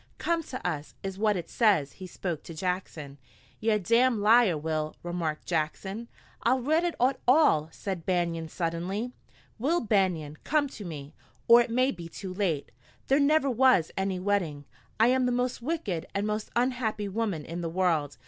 "'Come to us,'" is what it says. He spoke to Jackson. "Ye're a damned liar, Will," remarked Jackson. "I'll read it all!" said Banion suddenly. "'Will Banion, come to me, or it may be too late. There never was any wedding. I am the most wicked and most unhappy woman in the world.